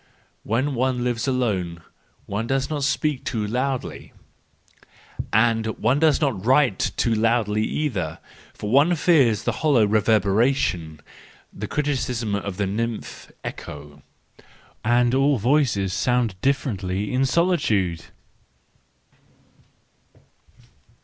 —When one lives alone one does not speak too loudly, and one does not write too loudly either, for one fears the hollow reverberation —the criticism of the nymph Echo.—And all voices sound differently in solitude!